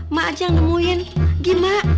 mak aja nemuin gimana